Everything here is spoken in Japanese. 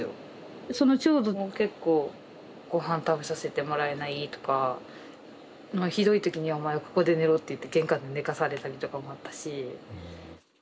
その長女も結構ごはん食べさせてもらえないとかひどい時にはお前ここで寝ろって言って玄関で寝かされたりとかもあったし。